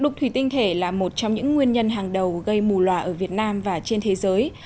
đục thủy tinh thể là một trong những nguyên nhân hàng đầu gây mù loà ở việt nam và trên thế giới